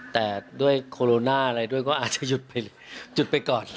แต่ด้วยโคโรนาอะไรด้วยก็อาจจะหยุดไปก่อน